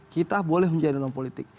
kita boleh menjadi non politik